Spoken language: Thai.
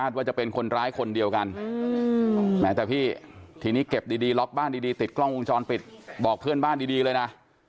ว่าจะเป็นคนร้ายคนเดียวกันแม้แต่พี่ทีนี้เก็บดีล็อกบ้านดีติดกล้องวงจรปิดบอกเพื่อนบ้านดีเลยนะ